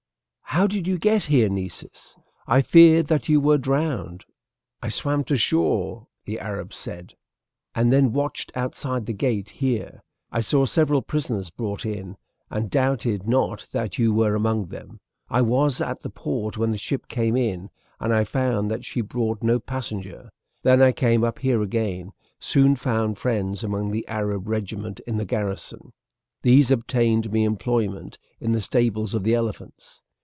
"How did you get here, Nessus? I feared that you were drowned." "I swam to shore," the Arab said, "and then watched outside the gate here. I saw several prisoners brought in, and doubted not that you were among them. I was at the port when the ship came in, and found that she brought no passenger. Then I came up here again, soon found friends among the Arab regiment in the garrison; these obtained me employment in the stables of the elephants.